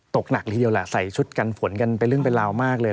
หนักทีเดียวแหละใส่ชุดกันฝนกันเป็นเรื่องเป็นราวมากเลย